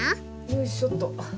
よいしょっと。